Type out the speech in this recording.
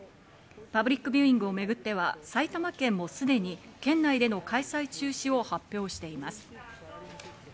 パブリックビューイングをめぐっては、埼玉県もすでに県内での開催中止を発表しています。